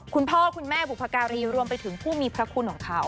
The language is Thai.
คุณพ่อคุณแม่บุพการีรวมไปถึงผู้มีพระคุณของเขา